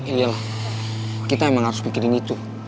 iya lah kita emang harus mikirin itu